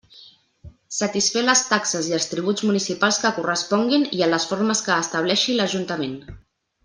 Satisfer les taxes i els tributs municipals que corresponguin i en les formes que estableixi l'Ajuntament.